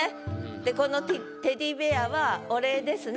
でこのテディベアはお礼ですね。